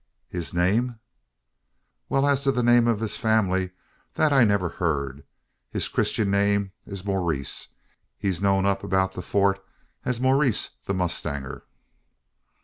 "His name?" "Wal, es to the name o' his family, that I niver heern. His Christyun name air Maurice. He's knowed up thur 'bout the Fort as Maurice the mowstanger."